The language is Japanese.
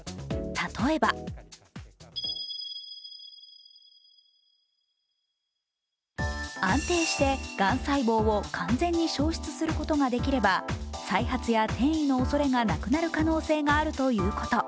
例えば安定してがん細胞を完全に消失することができれば再発や転移のおそれがなくなる可能性があるということ。